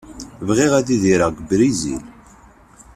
Bɣiɣ ad idireɣ deg Brizil.